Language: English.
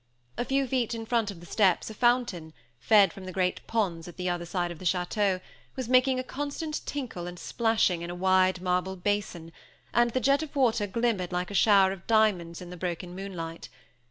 A few feet in front of the steps a fountain, fed from the great ponds at the other side of the château, was making a constant tinkle and splashing in a wide marble basin, and the jet of water glimmered like a shower of diamonds in the broken moonlight.